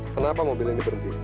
kenapa mobil ini berhenti